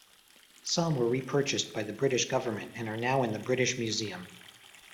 Some were repurchased by the British government and are now in the British Museum.